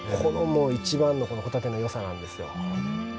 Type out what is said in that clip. いちばんのこのほたてのよさなんですよ。